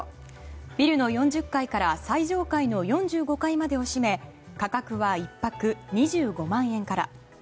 ビルの４０階から最上階の４５階までを占め価格は１泊２５万円から。